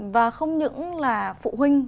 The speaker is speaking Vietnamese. và không những là phụ huynh